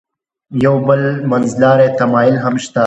یو بل منځلاری تمایل هم شته.